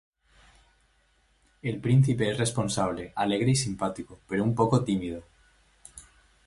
El Príncipe es responsable, alegre y simpático, pero un poco tímido.